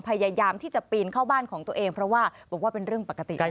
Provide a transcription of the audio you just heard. พยายามที่จะปีนเข้าบ้านของตัวเองเพราะว่าบอกว่าเป็นเรื่องปกติ